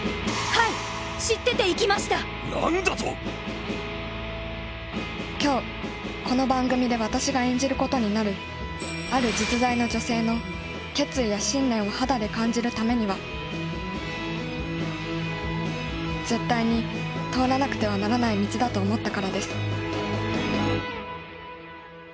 それは今日この番組で私が演じることになる「ある実在の女性」の決意や信念を肌で感じるためには絶対に通らなくてはならない道だと思ったからです